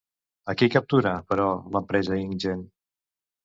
A qui captura, però, l'empresa InGen?